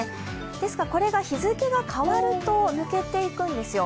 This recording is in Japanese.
ですが、これが日付が変わると抜けていくんですよ。